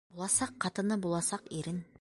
Буласаҡ ҡатыны буласаҡ ирен!..